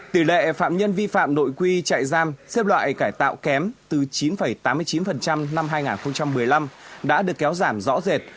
tỷ lệ phạm nhân vi phạm nội quy trại giam xếp loại cải tạo kém từ chín tám mươi chín năm hai nghìn một mươi năm đã được kéo giảm rõ rệt